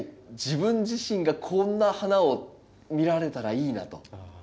自分自身がこんな花を見られたらいいなと。